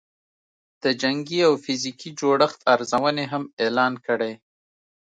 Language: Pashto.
د جنګي او فزیکي جوړښت ارزونې هم اعلان کړې